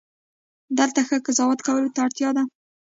دلته ښه قضاوت کولو ته اړتیا ده.